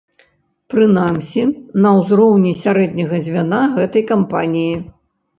Прынамсі, на ўзроўні сярэдняга звяна гэтай кампаніі.